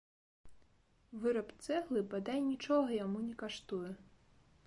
Выраб цэглы бадай нічога яму не каштуе.